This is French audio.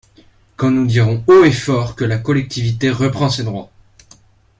Quand nous dirons haut et fort que la collectivité reprend ses droits.